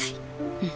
うん。